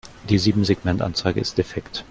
Die Siebensegmentanzeige ist defekt.